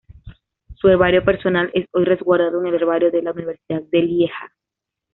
Su herbario personal es hoy resguardado en el herbario de la Universidad de Lieja.